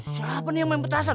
siapa yang main petasan